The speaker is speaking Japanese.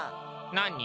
何？